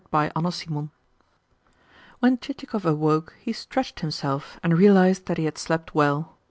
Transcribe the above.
CHAPTER VII When Chichikov awoke he stretched himself and realised that he had slept well.